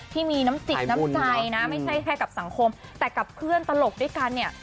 ที่มีน้ำจิตน้ำใจนะไม่ใช่แค่กับสังคมแต่กับเพื่อนตลกด้วยกันเนี่ย